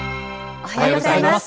おはようございます。